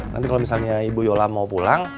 nanti kalau misalnya ibu yola mau pulang